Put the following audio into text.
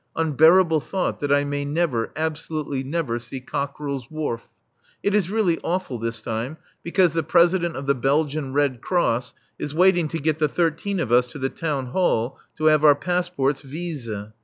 (Unbearable thought, that I may never, absolutely never, see Cockerill's Wharf!) It is really awful this time, because the President of the Belgian Red Cross is waiting to get the thirteen of us to the Town Hall to have our passports visés.